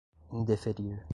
indeferir